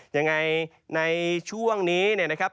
ยังไงในช่วงนี้นะครับ